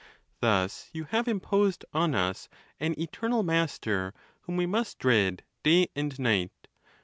Thus you have imposed on us an eternal master, , whom we must dread day and night.